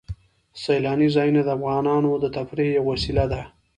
سیلاني ځایونه د افغانانو د تفریح یوه وسیله ده.